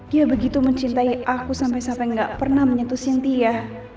dia begitu mencintai aku sampai sampai gak pernah menyentuh cynthia